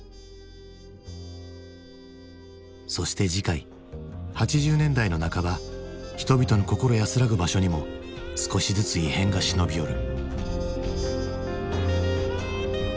そして次回８０年代の半ば人々の心安らぐ場所にも少しずつ異変が忍び寄る。